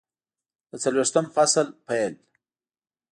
د څلویښتم فصل پیل